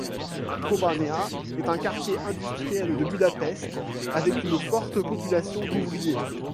Kőbánya est un quartier industriel de Budapest, avec une forte population d'ouvriers.